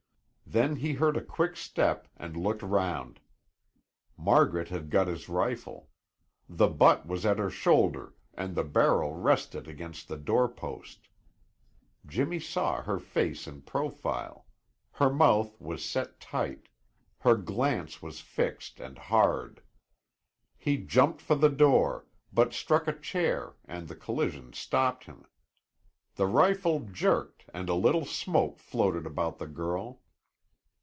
Then he heard a quick step and looked round. Margaret had got his rifle. The butt was at her shoulder and the barrel rested against the doorpost. Jimmy saw her face in profile; her mouth was set tight, her glance was fixed and hard. He jumped for the door, but struck a chair and the collision stopped him. The rifle jerked and a little smoke floated about the girl.